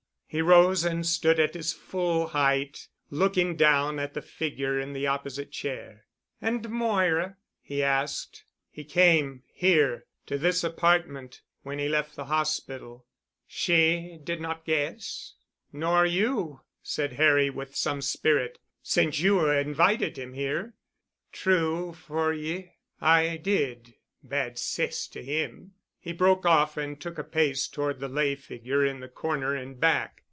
He rose and stood at his full height, looking down at the figure in the opposite chair. "And Moira—?" he asked. "He came—here—to this apartment—when he left the hospital——" "She did not guess?" "Nor you," said Harry with, some spirit, "since you invited him here——" "True for ye—I did—bad cess to him." He broke off and took a pace toward the lay figure in the corner and back.